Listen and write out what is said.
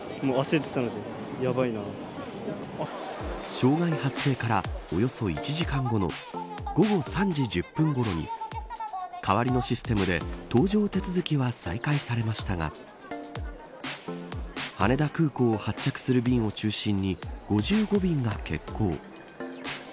障害発生からおよそ１時間後の午後３時１０分ごろ代わりのシステムで搭乗手続きは再開されましたが羽田空港を発着する便を中心に５５便が欠航。